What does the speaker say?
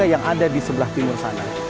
yang ada di sebelah timur sana